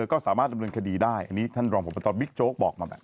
ก็สามารถดำเนินคดีได้อันนี้ท่านรองพบตบิ๊กโจ๊กบอกมาแบบ